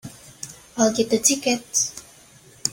I'll get the tickets.